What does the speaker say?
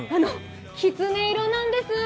きつね色なんです。